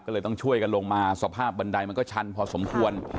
ก็เลยต้องช่วยกันลงมาสภาพบันไดมันก็ชันพอสมควร